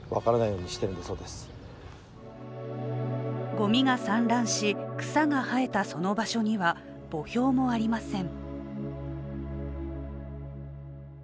ごみが散乱し、草が生えたその場所には、墓標もありません。